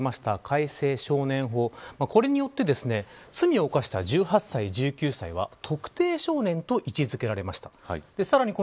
今月の１日に施行された改正少年法これによって罪を犯した１８歳、１９歳は特定少年と位置づけられました。